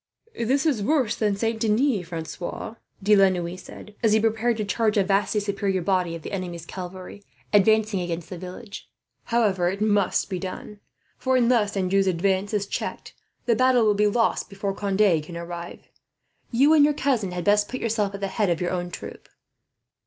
"This is worse than Saint Denis, Francois," De la Noue said, as he prepared to charge a vastly superior body of the enemy's cavalry, advancing against the village. "However, it must be done; for unless Anjou's advance is checked, the battle will be lost before Conde can arrive. You and your cousin had best put yourself at the head of your own troop."